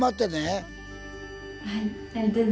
はい。